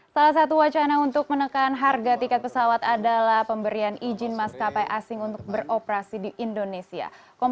salah satu wacana untuk menekan harga tiket pesawat adalah pemberian izin maskapai asing untuk beroperasi di indonesia